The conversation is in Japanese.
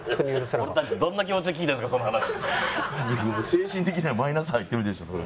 精神的にはマイナス入ってるでしょそれ。